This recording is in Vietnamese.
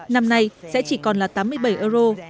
năm nay sẽ chỉ còn là tám mươi bảy euro